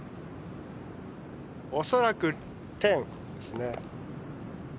恐らくテンですね。